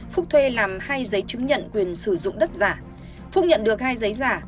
phúc thuê làm hai giấy chứng nhận quyền sử dụng đất giả phúc nhận được hai giấy giả